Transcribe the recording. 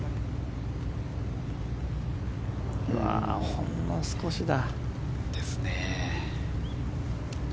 ほんの少しだ。